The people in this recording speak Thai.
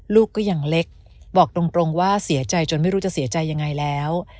ลูกก็ยังเล็กบอกตรงว่าเสียใจจนไม่รู้จะเสียใจยังไงแล้ว